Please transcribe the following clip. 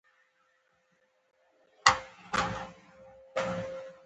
زه لا هم باور لرم چي موږ یوځل نه مرو